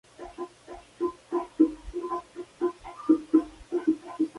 Se encuentra en sembrados y bordes de caminos.